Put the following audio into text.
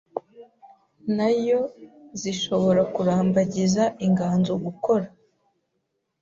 na yo zishobora kurambagiza inganzo gukora